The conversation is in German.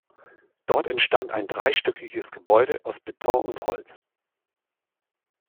Dort entstand ein dreistöckiges Gebäude aus Beton und Holz.